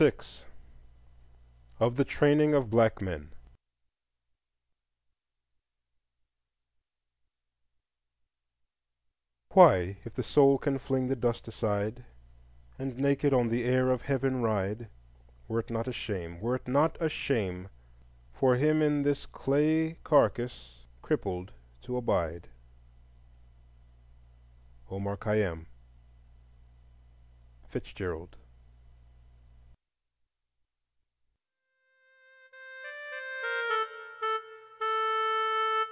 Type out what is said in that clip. VI. Of the Training of Black Men Why, if the Soul can fling the Dust aside, And naked on the Air of Heaven ride, Were't not a Shame—were't not a Shame for him In this clay carcase crippled to abide? OMAR KHAYYÁM (FITZGERALD).